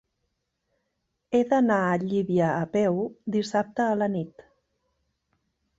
He d'anar a Llívia a peu dissabte a la nit.